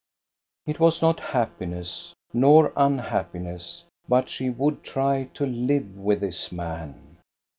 It was not happiness, nor unhappiness, but she would try to live with this man.